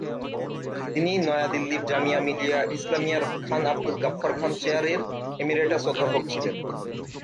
তিনি নয়া দিল্লির জামিয়া মিলিয়া ইসলামিয়ার খান আবদুল গাফফার খান চেয়ার এর এমেরিটাস অধ্যাপক ছিলেন।